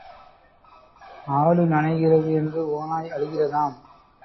ஆடு நனைகிறது என்று ஓநாய் அழுகிறதாம்